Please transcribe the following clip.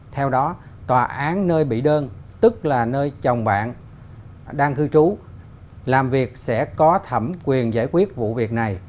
theo đó tòa án nơi bị đơn tức là nơi chồng bạn đang cư trú làm việc sẽ có thẩm quyền giải quyết vụ việc này